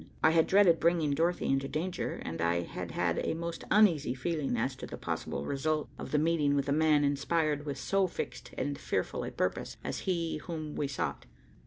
I had dreaded bringing Dorothy into danger, and I had had a most uneasy feeling as to the possible result of the meeting with a man inspired with so fixed and fearful a purpose as he whom we sought.